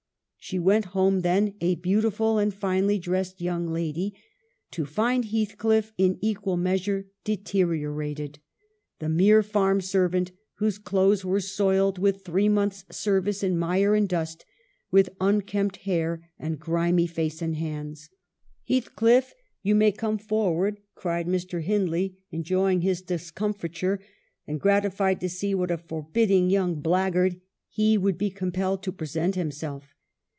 She went home, then, a beautiful and finely dressed young lady, to find Heathcliff in equal measure deteriorated ; the mere farm servant, whose clothes were soiled with three months' service in mire and dust, with unkempt hair and grimy face and hands. "* Heathcliff, you may come forward,' cried Mr. Hindley, enjoying his discomfiture, and grati fied to see what a forbidding young blackguard he would be compelled to present himself.